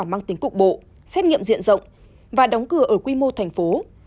mang tính cục bộ xét nghiệm diện rộng và đóng cửa ở quy mô thành phố